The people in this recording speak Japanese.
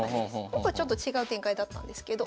本譜はちょっと違う展開だったんですけど。